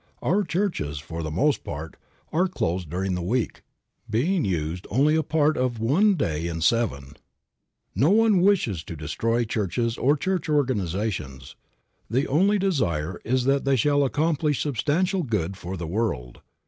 Our churches, for the most part, are closed during the week, being used only a part of one day in seven. No one wishes to destroy churches or church organizations. The only desire is that they shall accomplish substantial good for the world.